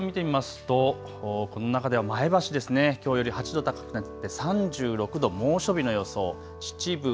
予想最高気温を見てみますとこの中では前橋ですね、きょうより８度高くなって３６度、猛暑日の予想。